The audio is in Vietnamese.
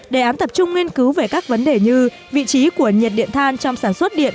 đề án tập trung nghiên cứu về các vấn đề như vị trí của nhiệt điện than trong sản xuất điện